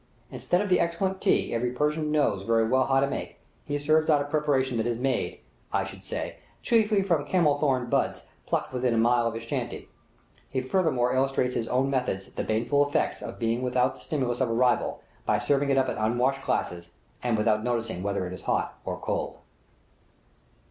Instead of the excellent tea every Persian knows very well how to make, he serves out a preparation that is made, I should say, chiefly from camelthorn buds plucked within a mile of his shanty; he furthermore illustrates in his own methods the baneful effects of being without the stimulus of a rival, by serving it up in unwashed glasses, and without noticing whether it is hot or cold.